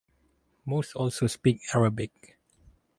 Most also speak Arabic.